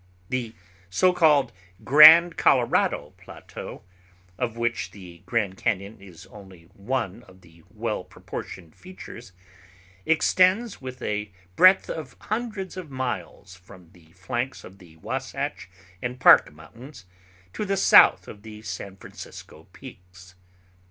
The so called Grand Colorado Plateau, of which the Grand Cañon is only one of the well proportioned features, extends with a breadth of hundreds of miles from the flanks of the Wahsatch and Park Mountains to the south of the San Francisco Peaks.